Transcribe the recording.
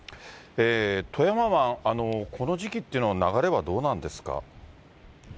富山湾、この時期っていうのは、流れはどうなんですか。